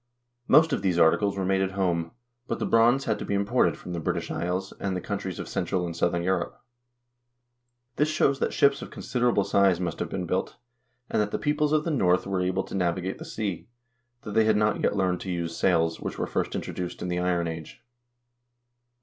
Most of these articles were made at home, but the bronze had to be imported from the British Isles and the countries of central and southern Europe. This shows Fig. 15. — Bronze bowl. that ships of considerable size must have been built, and that the peoples of the North were able to navigate the sea, though they had not yet learned to use sails, which were first introduced in the Iron Age.